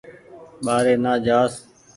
ٻآري نآ جآس